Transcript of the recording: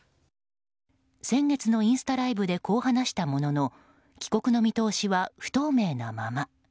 先月のインスタライブでこう話したものの帰国の見通しは不透明なまま。